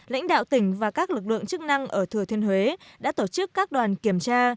lãnh đạo tỉnh và các lực lượng chức năng ở thừa thiên huế đã tổ chức các đoàn kiểm tra